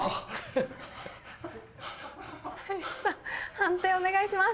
判定お願いします。